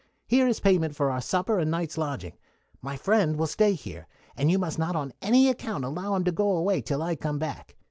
Here is payment for our supper and night's lodging. My friend will stay here, and you must not on any account allow him to go away till I come back.